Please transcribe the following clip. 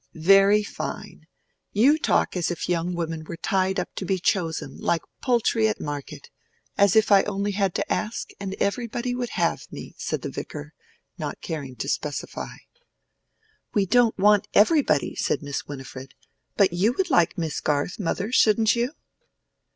"Very fine! You talk as if young women were tied up to be chosen, like poultry at market; as if I had only to ask and everybody would have me," said the Vicar, not caring to specify. "We don't want everybody," said Miss Winifred. "But you would like Miss Garth, mother, shouldn't you?"